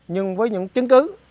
nhưng với những chứng cứ